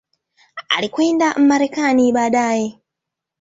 Alikwenda Marekani baadaye.